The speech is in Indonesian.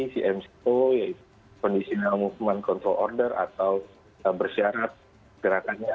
cmco yaitu conditional movement control order atau bersyarat gerakannya